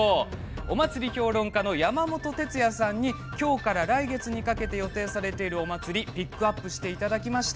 お祭り評論家の山本哲也さんに今日から来月にかけて予定されているお祭りピックアップしていただきました。